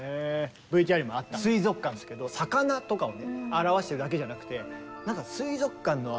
ＶＴＲにもあった「水族館」ですけど魚とかをね表しているだけじゃなくてなんか水族館のちょっと暗くて。